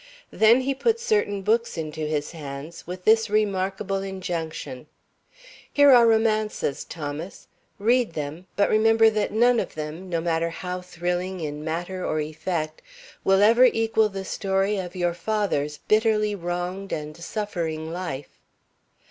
Then he put certain books into his hands, with this remarkable injunction: "Here are romances, Thomas. Read them; but remember that none of them, no matter how thrilling in matter or effect, will ever equal the story of your father's bitterly wronged and suffering life."